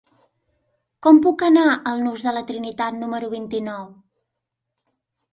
Com puc anar al nus de la Trinitat número vint-i-nou?